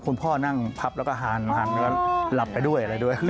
คุณพ่อนั่งพับและหานแล้วหลับไปด้วย